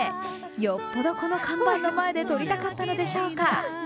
よっぽどこの看板の前で撮りたかったのでしょうか。